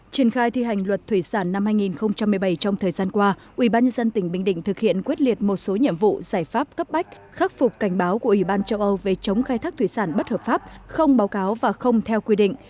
triển khai thi hành luật thủy sản năm hai nghìn một mươi bảy trong thời gian qua ubnd tỉnh bình định thực hiện quyết liệt một số nhiệm vụ giải pháp cấp bách khắc phục cảnh báo của ủy ban châu âu về chống khai thác thủy sản bất hợp pháp không báo cáo và không theo quy định